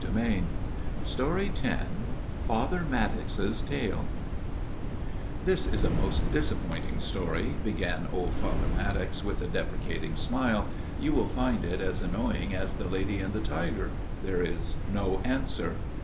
X Father Maddox's Tale X Father Maddox's Tale is a most disappointing story/* began old Father Maddox, with a deprecating smile. " You will find it as annoying as the ' Lady and the Tiger '; there is no answer.